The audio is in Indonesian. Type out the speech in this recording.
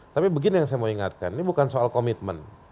tapi begini yang saya mau ingatkan ini bukan soal komitmen